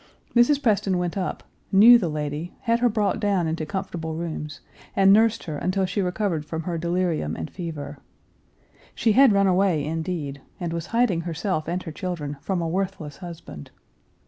Mrs. Preston went up, knew the lady, had her brought down into comfortable rooms, and nursed her until she recovered from her delirium and fever. She had run away, indeed, and was hiding herself and her children from a worthless husband.